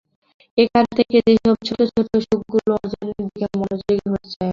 এখন থেকে সেসব ছোট ছোট সুখগুলো অর্জনের দিকে মনোযোগী হতে চাই আমি।